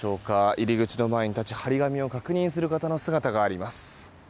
入り口の前に立ち、貼り紙を確認する方の姿があります。